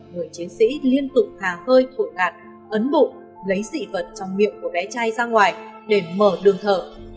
người chiến sĩ liên tục thà khơi thổi cạt ấn bụng lấy dị vật trong miệng của bé trai ra ngoài để mở đường thở